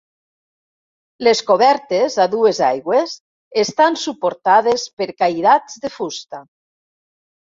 Les cobertes, a dues aigües, estan suportades per cairats de fusta.